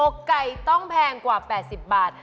อกไก่ต้องแพงกว่า๘๐บาท